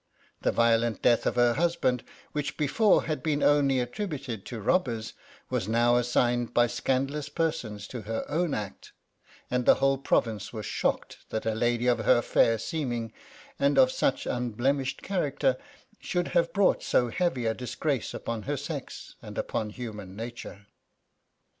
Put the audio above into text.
The violent death of her husband, which before had been only attributed to robbers, was now assigned by scandalous per sons to her own act ; and the whole province was shocked that a lady of her fair seeming, and of such unblemished character, should have brought so heavy a disgrace upon her sex and upon human nature.